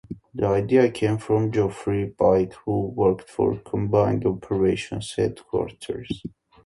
The idea came from Geoffrey Pyke, who worked for Combined Operations Headquarters.